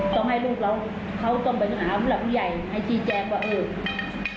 ต้องให้ลูกเราเขาต้องไปหาผู้หลักผู้ใหญ่ให้ชี้แจงว่าเออ